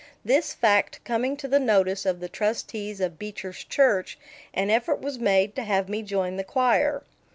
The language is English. This fact coming to the notice of the trustees of Beecher's church, an effort was made to have me join the choir.